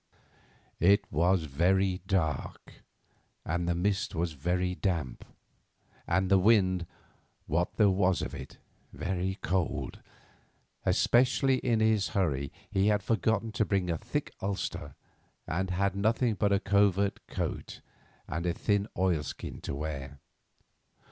It was very dark, and the mist was very damp, and the wind, what there was of it, very cold, especially as in his hurry he had forgotten to bring a thick ulster, and had nothing but a covert coat and a thin oil skin to wear.